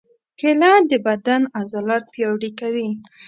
کېله د بدن عضلات پیاوړي کوي.